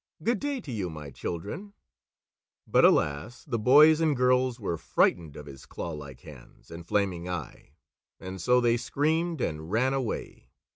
Good day to you, my children!" But alas! The boys and girls were frightened of his clawlike hands and flaming eye, and so they screamed and ran away.